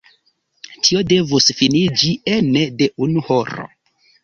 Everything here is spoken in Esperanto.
Tio devus finiĝi ene de unu horo.